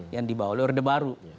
yang dibawa oleh orde baru